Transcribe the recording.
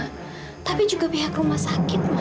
mereka juga pihak rumah sakit ma